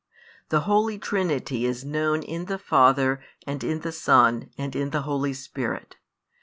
The Holy Trinity is known in the Father and in the Son and in the Holy Spirit.